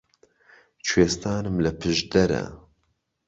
کوێستانم لە پشدەرە